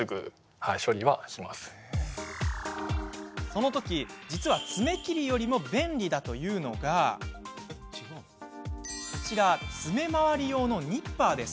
その時、実は爪切りよりも便利だというのがこちら、爪周り用のニッパー。